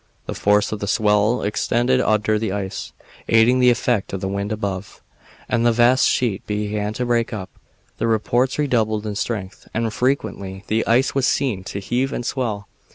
The force of the swell extended under the ice, aiding the effect of the wind above, and the vast sheet began to break up. The reports redoubled in strength, and frequently the ice was seen to heave and swell.